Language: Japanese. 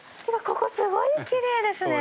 ここすごいきれいですね。